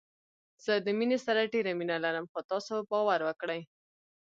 زه د مينې سره ډېره مينه لرم خو تاسو باور وکړئ